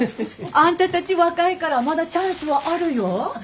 あんたたち若いからまだチャンスはあるよぅ。